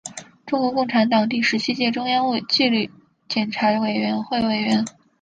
中国共产党第十七届中央纪律检查委员会委员。